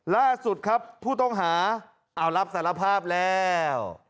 ล่าสุดครับผู้ต้องหาเอารับสารภาพแล้ว